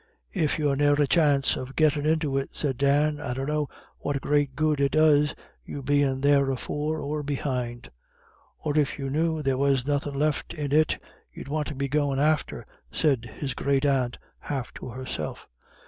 "If you've ne'er a chance of gettin' into it," said Dan, "I dunno what great good it does you bein' there afore or behind." "Or if you knew there was nothin' left in it you wanted to be goin' after," said his great aunt, half to herself.